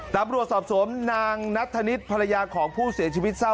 ตำรวจสอบสวนนางนัทธนิษฐ์ภรรยาของผู้เสียชีวิตเศร้า